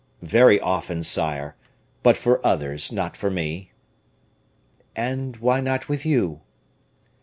very often, sire; but for others, not for me." "And why not with you?"